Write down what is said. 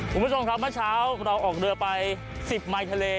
คุณผู้ชมครับเมื่อเช้าเราออกเรือไป๑๐ไมค์ทะเล